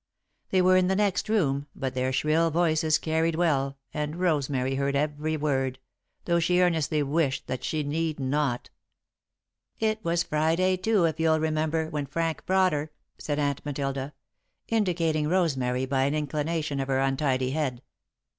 They were in the next room, but their shrill voices carried well and Rosemary heard every word, though she earnestly wished that she need not. [Sidenote: A Lucky Friday] "It was Friday, too, if you'll remember, when Frank brought her," said Aunt Matilda, indicating Rosemary by an inclination of her untidy head.